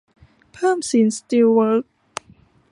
เพิ่มสินสตีลเวิคส์